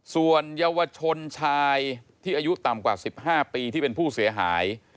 ส่วนเยาวชนชายที่อายุต่ำกว่า๑๕ปีที่เป็นผู้เสียหาย